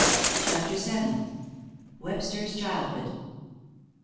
CHAPTER VII. WEBSTER'S CHILDHOOD.